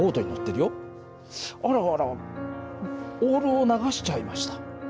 あらあらオ−ルを流しちゃいました。